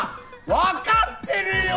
分かってるよ！